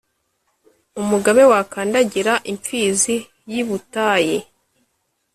umugabe wakandagira imfizi y’i butayi,